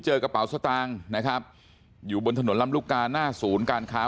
กระเป๋าสตางค์นะครับอยู่บนถนนลำลูกกาหน้าศูนย์การค้า